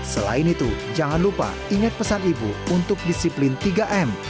selain itu jangan lupa ingat pesan ibu untuk disiplin tiga m